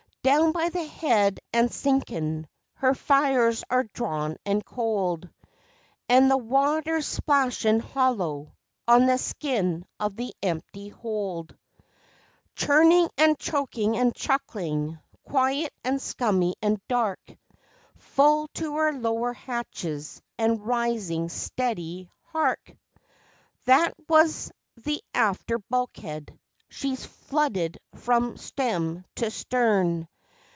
Down by the head an' sinkin'. Her fires are drawn and cold, And the water's splashin' hollow on the skin of the empty hold Churning an' choking and chuckling, quiet and scummy and dark Full to her lower hatches and risin' steady. Hark! That was the after bulkhead ... she's flooded from stem to stern....